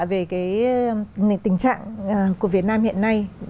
về tình trạng của việt nam hiện nay